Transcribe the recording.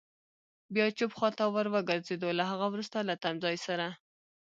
بیا چپ خوا ته ور وګرځېدو، له هغه وروسته له تمځای سره.